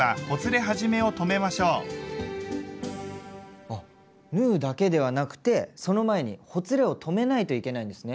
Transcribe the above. まずはあ縫うだけではなくてその前にほつれを止めないといけないんですね？